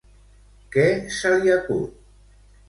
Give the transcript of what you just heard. Què se li acut?